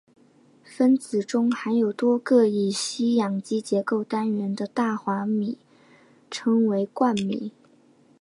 分子中含有多个乙烯氧基结构单元的大环醚称为冠醚。